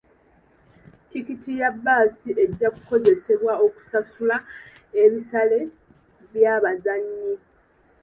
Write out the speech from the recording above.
Tikiti ya bbaasi ejja kukozesebwa okusasula ebisale by'abazannyi .